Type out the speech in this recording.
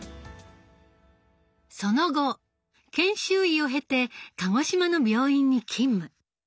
その後研修医を経て鹿児島の病院に勤務。